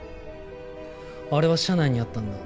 あれは車内にあったんだ。